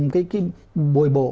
cái bồi bộ